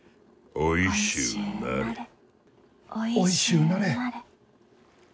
おいしゅうなれ。